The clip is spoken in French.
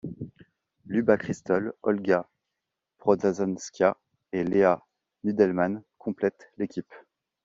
Luba Kristol, Olga Podrazhanskaia et Lea Nudelman complètent l'équipe.